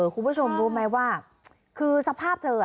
คุณผู้ชมรู้ไหมว่าคือสภาพเธอ